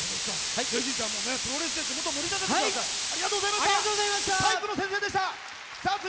ぜひ、プロレスで地元を盛り立ててください！